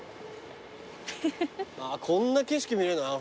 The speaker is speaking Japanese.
こんな景色見れんだな。